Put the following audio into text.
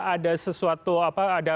ada sesuatu ada